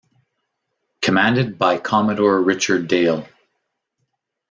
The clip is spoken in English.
Commanded by Commodore Richard Dale.